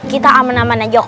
kita aman aman aja